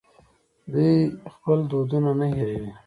دوی خپل دودونه نه هیروي.